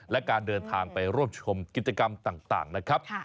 และการเดินทางไปร่วมชมกิจกรรมต่างนะครับ